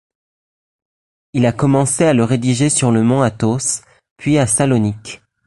Il a commencé à le rédiger sur le mont Athos, puis à Salonique.